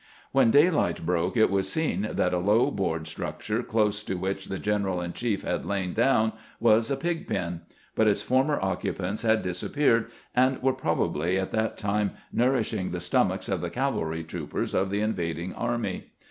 When daylight broke it was seen that a low board structure close to which the general in chief had lain down was a pig pen ; but its former oc cupants had disappeared, and were probably at that time nourishing the stomachs of the cavalry troopers of the invading army.